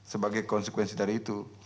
sebagai konsekuensi dari itu